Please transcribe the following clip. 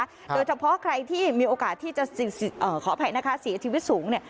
โดยเฉพาะใครที่มีโอกาสที่จะขออภัยนะคะเสียชีวิตสูงเนี่ย